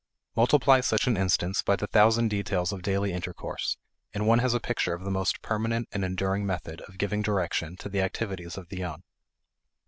Multiply such an instance by the thousand details of daily intercourse, and one has a picture of the most permanent and enduring method of giving direction to the activities of the young.